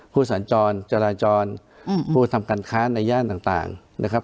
ผู้สาญจรจราจรอืมผู้ทำการค้าในย่านต่างต่างนะครับ